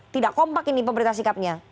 tidak kompak ini pemerintah sikapnya